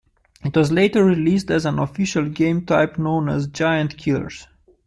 It was later released as an official game type known as "Giant Killers".